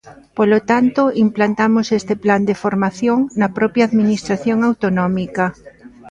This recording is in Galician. Polo tanto, implantamos este plan de formación na propia Administración autonómica.